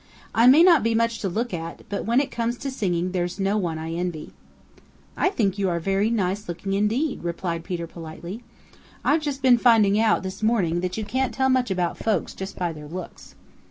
I may not be much to look at, but when it comes to singing there's no one I envy. "I think you are very nice looking indeed," replied Peter politely. "I've just been finding out this morning that you can't tell much about folks just by their looks."